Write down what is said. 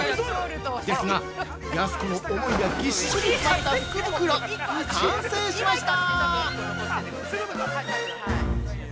ですが、やす子の思いがぎっしり詰まった福袋、完成しました！